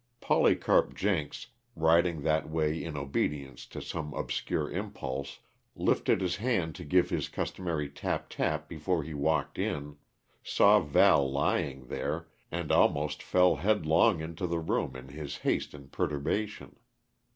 Polycarp Jenks, riding that way in obedience to some obscure impulse, lifted his hand to give his customary tap tap before he walked in; saw Val lying there, and almost fell headlong into the room in his haste and perturbation.